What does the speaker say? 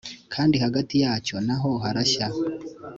kandi hagati yacyo na ho harashya